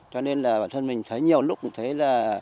cho nên là bản thân mình thấy nhiều lúc cũng thấy là